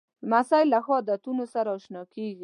لمسی له ښو عادتونو سره اشنا کېږي.